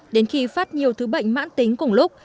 đến khi phát nhiều thứ bệnh mãn tính cùng lúc